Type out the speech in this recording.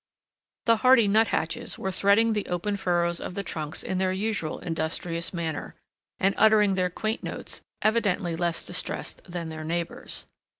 The hardy nut hatches were threading the open furrows of the trunks in their usual industrious manner, and uttering their quaint notes, evidently less distressed than their neighbors.